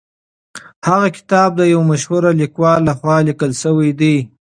هغه کتاب د یو مشهور لیکوال لخوا لیکل سوی دی.